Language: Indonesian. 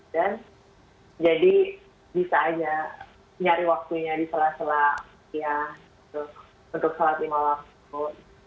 dan jadi bisa aja nyari waktunya di sela sela ya untuk sholat timah waktu